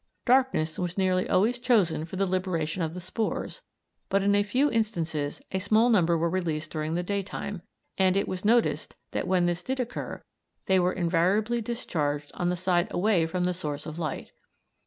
Darkness was nearly always chosen for the liberation of the spores, but in a few instances a small number were released during the daytime, and it was noticed that when this did occur they were invariably discharged on the side away from the source of light.